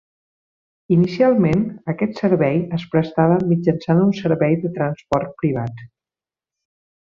Inicialment, aquest servei es prestava mitjançant un servei de transport privat.